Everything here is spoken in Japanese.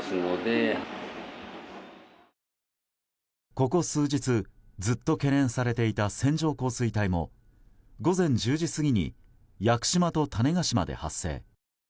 ここ数日ずっと懸念されていた線状降水帯も午前１０時過ぎに屋久島と種子島で発生。